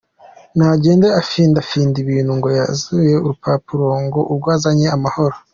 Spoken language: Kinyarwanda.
Ntagende afindafinda ibintu ngo yazanye urupapuro ngo ubwo azanye amahoro.